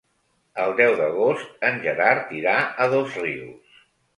El deu d'agost en Gerard irà a Dosrius.